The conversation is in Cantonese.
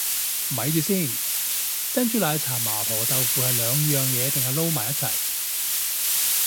咪住先，珍珠奶茶麻婆豆腐係兩樣嘢嚟定撈埋一齊